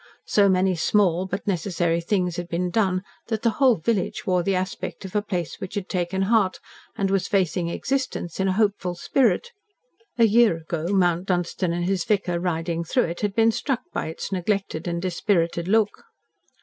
So many small, but necessary, things had been done that the whole village wore the aspect of a place which had taken heart, and was facing existence in a hopeful spirit. A year ago Mount Dunstan and his vicar riding through it had been struck by its neglected and dispirited look.